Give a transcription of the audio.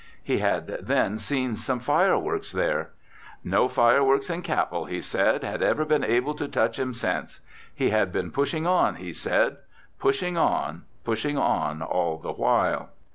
He had then seen some fireworks there. No fireworks in Capel, he said, had ever been able to touch him since. He had been pushing on, he said, pushing on, pushing on all the while.